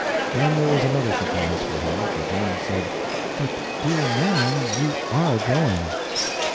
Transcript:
Then there was another surprise for him, for Joan said: "But, dear man, you are going!"